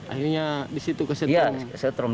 akhirnya di situ kesetrum